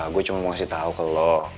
gue cuma mau kasih tau ke lo